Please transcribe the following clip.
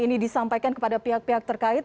ini disampaikan kepada pihak pihak terkait